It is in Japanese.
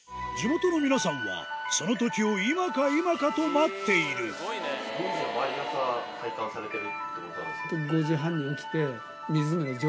地元の皆さんはそのときを今か今かと待っているそうよね。